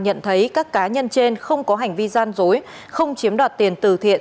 nhận thấy các cá nhân trên không có hành vi gian dối không chiếm đoạt tiền từ thiện